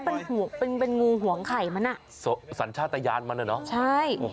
มันก็เป็นงูห่วงไข่มันน่ะสัญชาติยานมันน่ะใช่